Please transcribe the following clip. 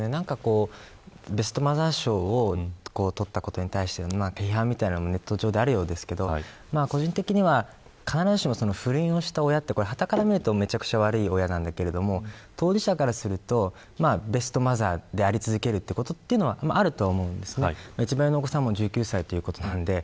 ベストマザー賞をとったことに対しての批判みたいなのもネット上であるようですが個人的には必ずしも、不倫をした親ははたから見るとめちゃくちゃ悪い親だけれども当事者からするとベストマザーであり続けるというのはあると思います。